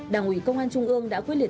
đảng ủy công an trung ương đã quyết liệt